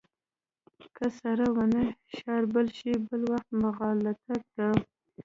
که سره ونه شاربل شي بل وخت مغالطه ده.